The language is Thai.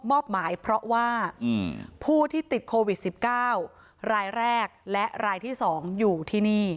มอบหมายเพราะว่าผู้ที่ติดโควิด๑๙รายแรกและรายที่๒อยู่ที่นี่